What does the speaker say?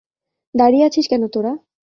দাঁড়িয়ে আছিস কেন তোরা!